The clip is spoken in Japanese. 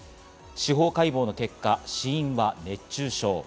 司法解剖の結果、死因は熱中症。